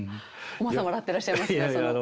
本間さん笑ってらっしゃいますがその。